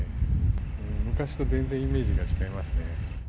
昔と全然、イメージが違いますね。